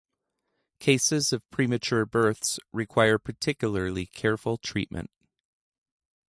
Cases of premature births require particularly careful treatment.